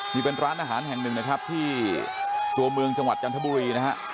นี่เป็นร้านอาหารแห่งหนึ่งนะครับที่ตัวเมืองจังหวัดจันทบุรีนะฮะ